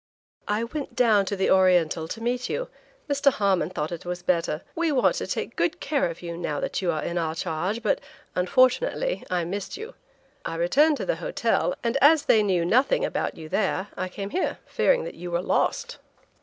"I went down to the Oriental to meet you; Mr. Harmon thought it was better. We want to take good care of you now that you are in our charge, but, unfortunately, I missed you. I returned to the hotel, and as they knew nothing about you there I came here, fearing that you were lost."